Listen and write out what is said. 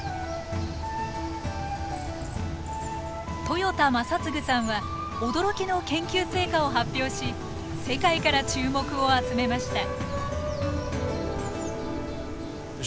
豊田正嗣さんは驚きの研究成果を発表し世界から注目を集めました。